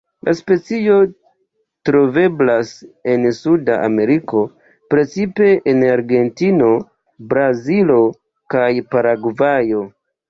La specio troveblas en Suda Ameriko, precipe en Argentino, Brazilo kaj Paragvajo.